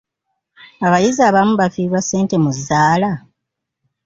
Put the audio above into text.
Abayizi abamu bafiirwa ssente mu zzaala?